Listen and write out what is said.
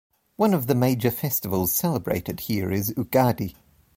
One of the major festivals celebrated here is Ugadi.